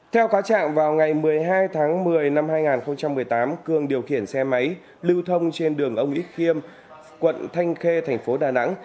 theo cáo trạng vào ngày một mươi hai tháng một mươi năm hai nghìn một mươi tám cương điều khiển xe máy lưu thông trên đường ông ích khiêm quận thanh khê thành phố đà nẵng